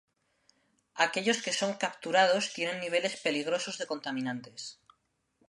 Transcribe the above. Aquellos que son capturados tienen niveles peligrosos de contaminantes.